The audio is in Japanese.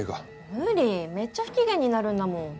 無理めっちゃ不機嫌になるんだもん。